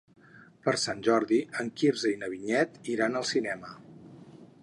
Per Sant Jordi en Quirze i na Vinyet iran al cinema.